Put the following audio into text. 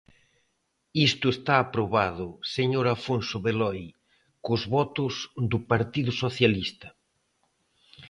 Isto está aprobado, señor Afonso Beloi, cos votos do Partido Socialista.